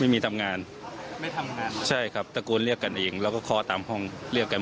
ไม่มีทำงานใช่ครับตระกูลเรียกกันเองแล้วก็คอตามห้องเรียกกัน